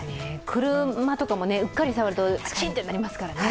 車とかもうっかり触るとアチッとなりますからね。